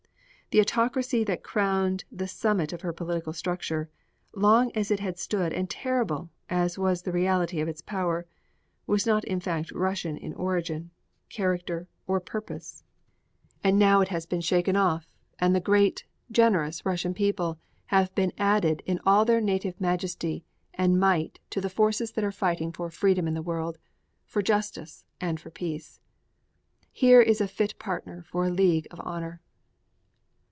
The autocracy that crowned the summit of her political structure, long as it had stood and terrible as was the reality of its power, was not in fact Russian in origin, character, or purpose; and now it has been shaken off and the great, generous Russian people have been added in all their native majesty and might to the forces that are fighting for freedom in the world, for justice, and for peace. Here is a fit partner for a League of Honor.